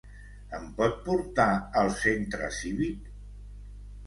Em pot portar al Centre cívic?